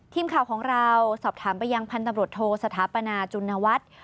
ทีมข่าวของเราสอบถามไปยังพันธบรวจโทสถาปนาจุณวัฒน์